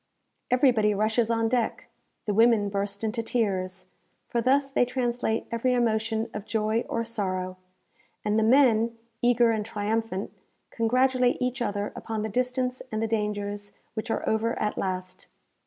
Everybody rushes on deck the women burst into tears, for thus they translate every emotion of joy or sorrow and the men, eager and triumphant, congratulate each other upon the distance and the dangers which are over at last.